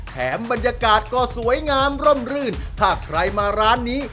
บรรยากาศก็สวยงามร่มรื่นถ้าใครมาร้านนี้